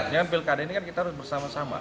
jangan pilkada ini kan kita harus bersama sama